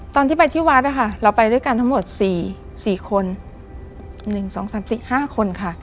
ตอนที่ไปที่วัดนะคะเราไปด้วยกันทั้งหมด๔คน๑๒๓๔๕คนค่ะ